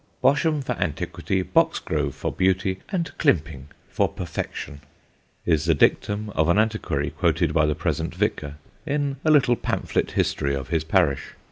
"Bosham, for antiquity; Boxgrove, for beauty; and Climping, for perfection" is the dictum of an antiquary quoted by the present vicar in a little pamphlet history of his parish.